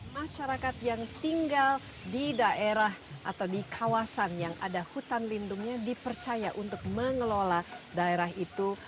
masyarakat yang tinggal di daerah atau di kawasan yang ada hutan lindungnya dipercaya untuk mengelola daerah itu